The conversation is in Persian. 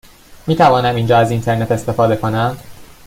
می توانم اینجا از اینترنت استفاده کنم؟